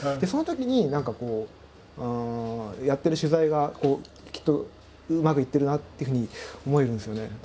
そのときに何かこうやってる取材がきっとうまくいってるなっていうふうに思えるんですよね。